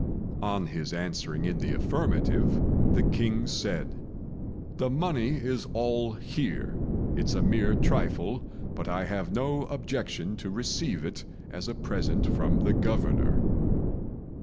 On his answering in the affirmative, the king said, "The money is all here; it's a mere trifle, but I have no objection to receive it as a present from the Governor."